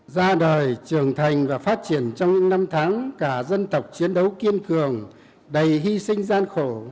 ra đời trưởng thành và phát triển trong những năm tháng cả dân tộc chiến đấu kiên cường đầy hy sinh gian khổ